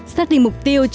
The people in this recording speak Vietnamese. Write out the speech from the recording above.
sát định mục tiêu